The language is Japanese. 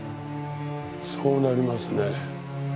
そうなりますね。